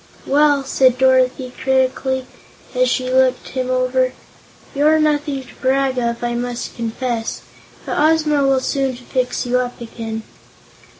"Well," said Dorothy critically, as she looked him over, "you're nothing to brag of, I must confess. But Ozma will soon fix you up again."